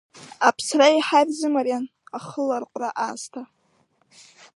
Аԥсра еиҳа ирзымариан, ахыларҟәра аасҭа.